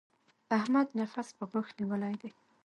احمد نفس په غاښ نيولی دی.